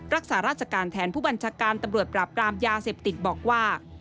รักษาราชการแทนผู้บัญชาการตำรวจปราบกรามยาเสพติดบอกว่า